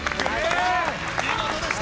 見事でした。